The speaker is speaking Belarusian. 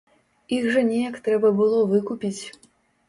Іх жа неяк трэба было выкупіць.